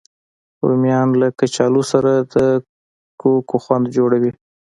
رومیان له کچالو سره د کوکو خوند جوړوي